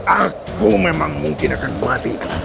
aku memang mungkin akan mati